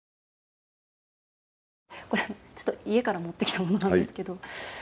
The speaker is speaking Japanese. これ、ちょっと家から持ってきたものなんですけど。